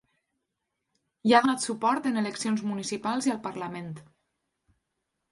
Hi ha donat suport en eleccions municipals i al parlament.